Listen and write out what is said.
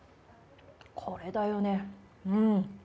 これだよねうん。